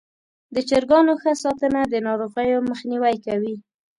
د چرګانو ښه ساتنه د ناروغیو مخنیوی کوي.